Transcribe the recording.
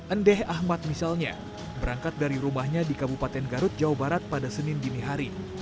endeh ahmad misalnya berangkat dari rumahnya di kabupaten garut jawa barat pada senin dini hari